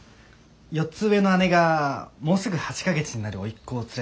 ４つ上の姉がもうすぐ８か月になる甥っ子を連れてよく来るんです。